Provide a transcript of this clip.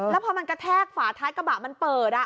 แล้วพอมันกระแทกฝาท้ายกระบะมันเปิด